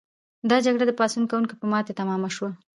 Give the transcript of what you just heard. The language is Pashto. دا جګړه د پاڅون کوونکو په ماتې تمامه شوه.